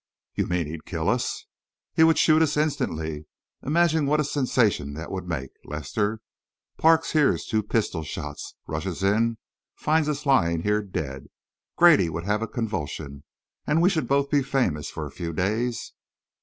"You mean he'd kill us?" "He would shoot us instantly. Imagine what a sensation that would make, Lester. Parks hears two pistol shots, rushes in and finds us lying here dead. Grady would have a convulsion and we should both be famous for a few days."